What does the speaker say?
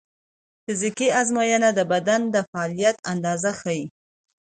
فزیکي ازموینې د بدن د فعالیت اندازه ښيي.